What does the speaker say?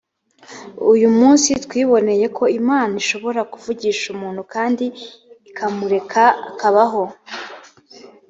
uyu munsi twiboneye ko imana ishobora kuvugisha umuntu kandi ikamureka akabaho!